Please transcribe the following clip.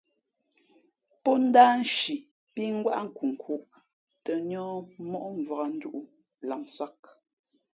Pó ndáh nshi pí ngwáʼ nkunkhūʼ tᾱ níά móʼ mvǎk nduʼ lamsāk.